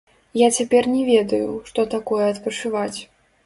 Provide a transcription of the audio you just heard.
Я цяпер не ведаю, што такое адпачываць.